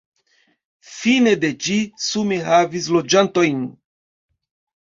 Fine de ĝi sume havis loĝantojn.